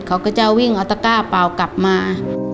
เขาก็จะวิ่งเอาตะก้าเปล่ากลับมา